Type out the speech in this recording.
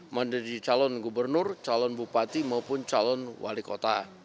menjadi calon gubernur calon bupati maupun calon wali kota